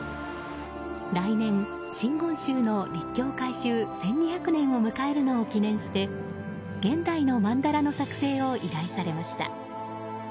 来年、真言宗の立教開宗１２００年を迎えるのを記念して現代の曼荼羅の作成を依頼されました。